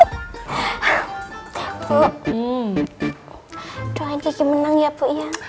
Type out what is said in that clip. bu doain kiki menang ya bu ya